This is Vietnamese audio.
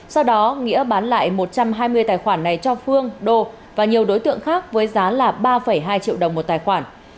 sau đó nghĩa bán lại một trăm hai mươi tài khoản này cho phương đô và nhiều đối tượng khác với giá là ba hai triệu đồng một tài khoản